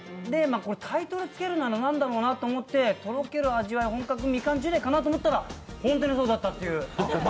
これ、タイトルつけるなら何だろうなと思って、とろける味わい本格みかんジュレかなと思ったら、本当にそうだったっていう。